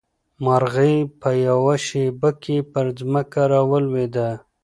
مرغۍ په یوه شېبه کې پر ځمکه راولوېده.